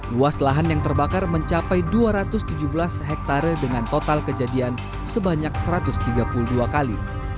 luas lahan yang terbakar mencapai dua ratus tujuh belas hektare dengan total kejadian sebanyak satu ratus tiga puluh dua kali